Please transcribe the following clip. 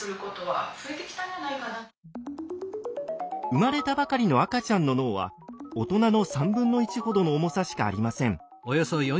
生まれたばかりの赤ちゃんの脳は大人の３分の１ほどの重さしかありません。